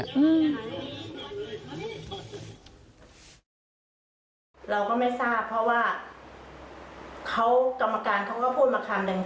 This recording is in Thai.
เราก็ไม่ทราบเพราะว่าเขากรรมการเขาก็พูดมาคำหนึ่ง